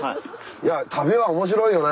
いや旅は面白いよね。